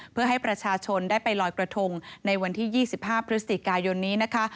เพื่อให้ประชาชนได้ไปลอยกระทงในวันที่๒๕พฤศจิกายนนี้นะคะ